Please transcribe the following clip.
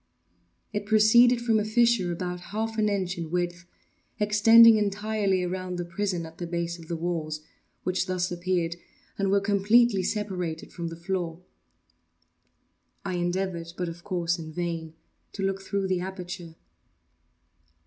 It proceeded from a fissure, about half an inch in width, extending entirely around the prison at the base of the walls, which thus appeared, and were, completely separated from the floor. I endeavored, but of course in vain, to look through the aperture.